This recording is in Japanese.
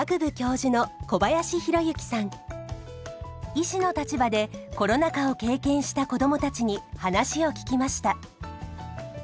医師の立場でコロナ禍を経験した子どもたちに話を聞きました。